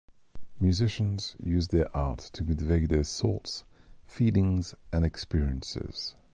Musicians use their art to convey their thoughts, feelings, and experiences.